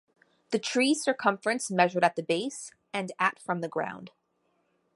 The tree's circumference measured at the base and at from the ground.